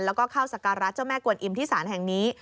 แล้วก็เข้าสการะเจ้าแม่กวนอิมที่ศาลแห่งนี้